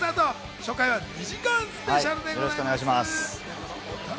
初回は２時間スペシャルです。